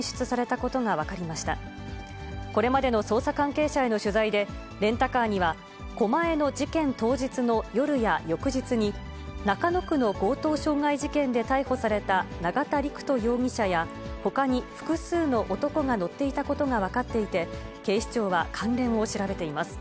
これまでの捜査関係者への取材で、レンタカーには、狛江の事件当日の夜や翌日に、中野区の強盗傷害事件で逮捕された永田陸人容疑者や、ほかに複数の男が乗っていたことが分かっていて、警視庁は関連を調べています。